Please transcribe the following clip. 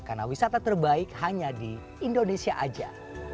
karena wisata terbaik hanya di indonesia aja